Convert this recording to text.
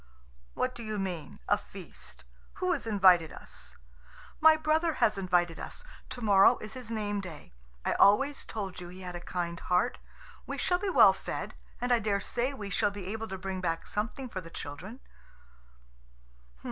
"What do you mean? A feast? Who has invited us?" "My brother has invited us. To morrow is his name day. I always told you he had a kind heart. We shall be well fed, and I dare say we shall be able to bring back something for the children."